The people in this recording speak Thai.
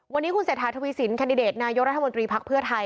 วันนี้คุณเศรษฐาทวีสินแคนดิเดตนายกรัฐมนตรีภักดิ์เพื่อไทย